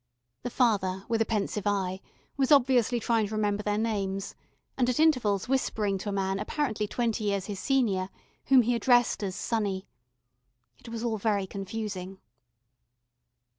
The father with a pensive eye was obviously trying to remember their names, and at intervals whispering to a man apparently twenty years his senior, whom he addressed as Sonny. It was all very confusing.